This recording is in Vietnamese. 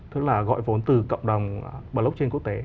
tức là gọi vốn từ cộng đồng blockchain quốc tế